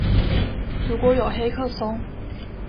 如果有黑客松